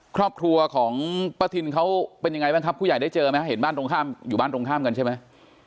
ครอบครัวของป้าทินเขาเป็นยังไงบ้างครับผู้ใหญ่ได้เจอไหมเห็นบ้านตรงข้ามอยู่บ้านตรงข้ามกันใช่ไหม